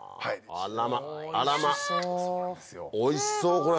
おいしそうこれ。